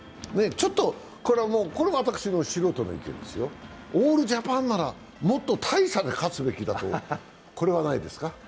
これは私の素人の意見ですよ、オールジャパンならもっと大差で勝つべきだと、これはないですか？